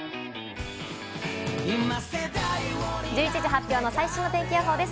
発表の最新の天気予報です。